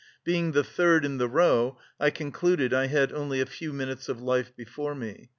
Being the third in the row, I concluded I had only a few minutes of life before me.